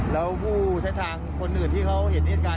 แล้วผู้ใช้ทางคนอื่นที่เขาเห็นเหตุการณ์